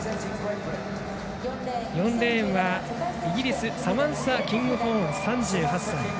４レーンは、イギリスサマンサ・キングホーン３８歳。